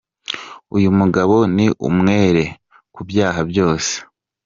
Uyu mugabo ni umwere ku byaha byose.